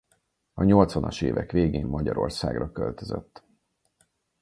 A nyolcvanas évek végén Magyarországra költözött.